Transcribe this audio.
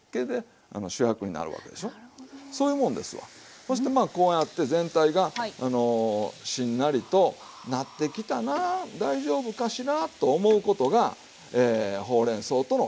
そしてまあこうやって全体がしんなりとなってきたなら大丈夫かしらと思うことがほうれんそうとの対話でしょ。